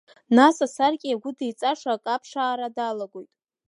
Нас асаркьа иагәдиҵаша акы аԥшаара далагоит.